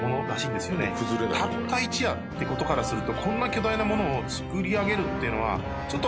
たった一夜ってことからするとこんな巨大なものを造り上げるっていうのはちょっと。